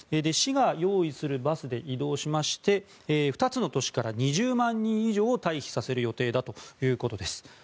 市が用意するバスで移動しまして２つの都市から２０万人以上を退避する予定だということです。